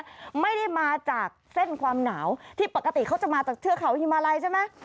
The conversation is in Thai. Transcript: ไม่ได้มาจากเส้นความหนาวที่ปกติเขาจะมาจากเทือกเขาฮิมาลัยใช่ไหม